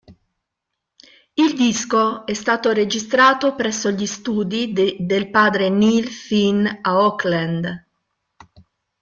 Il disco è stato registrato presso gli studi del padre Neil Finn a Auckland.